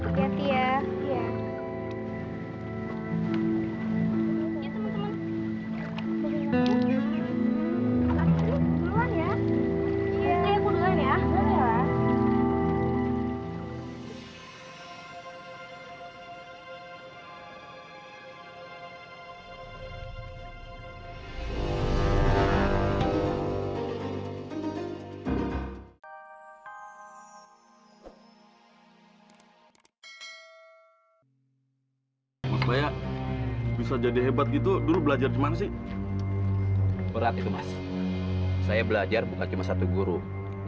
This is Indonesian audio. kami akan bikin kamu mampus